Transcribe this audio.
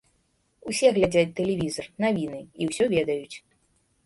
Усе глядзяць тэлевізар, навіны, і ўсё ведаюць.